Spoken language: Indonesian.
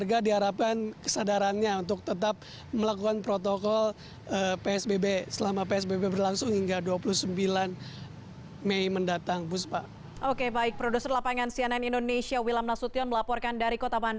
jalan asia afrika